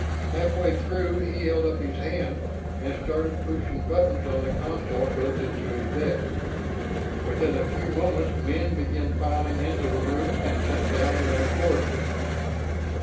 Half way through, he held up his hand and started pushing buttons on the console built into his desk. Within a few moments men began filing into the room, and sat down around Forster.